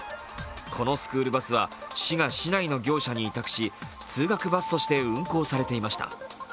このスクールバスは市が市内の業者に委託し通学バスとして運行されていました。